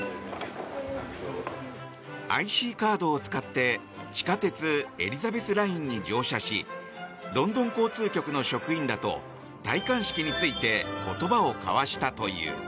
ＩＣカードを使って地下鉄エリザベスラインに乗車しロンドン交通局の職員らと戴冠式について言葉を交わしたという。